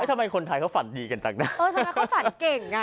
ทำไมคนไทยเขาฝันดีกันจังนะเออทำไมเขาฝันเก่งอ่ะ